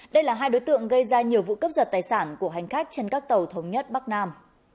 đây là hai đối tượng gây ra nhiều vụ cướp giật tài sản của hành khách trên các tàu thống nhất bắc nam